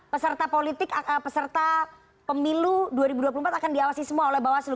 peserta politik peserta pemilu dua ribu dua puluh empat akan diawasi semua oleh bawaslu